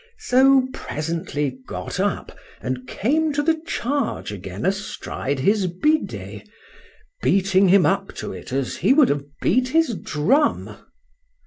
So presently got up, and came to the charge again astride his bidet, beating him up to it as he would have beat his drum.